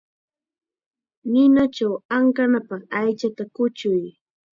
Ninachaw ankanapaq aychata kuchuy.